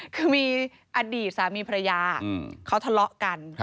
คือมีอดีตสามีภรรยาเขาทะเลาะกัน